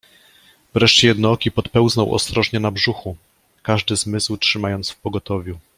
Wreszcie Jednooki podpełznął ostrożnie na brzuchu, każdy zmysł trzymając w pogotowiu